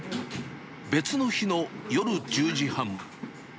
別の日の夜１０時半。